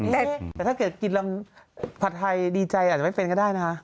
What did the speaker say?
แต่ถ้าเกิดกินลำผัดไทยดีใจอาจจะไม่เป็นก็ได้นะคะ